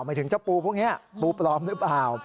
หมายถึงเจ้าปูพวกนี้ปูปลอมหรือเปล่า